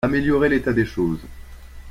Améliorer l'état des choses.